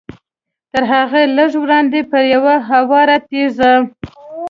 تر هغوی لږ وړاندې پر یوه هواره تیږه.